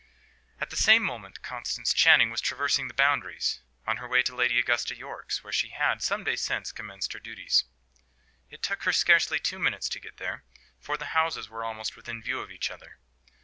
At the same moment Constance Channing was traversing the Boundaries, on her way to Lady Augusta Yorke's, where she had, some days since, commenced her duties. It took her scarcely two minutes to get there, for the houses were almost within view of each other.